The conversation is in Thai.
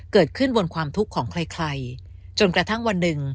เกิดขึ้นบนความทุกข์ของใครใครจนกระทั่งวันหนึ่ง